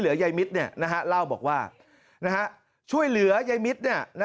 เหลือยายมิดเนี่ยนะฮะเล่าบอกว่านะฮะช่วยเหลือยายมิดเนี่ยนะ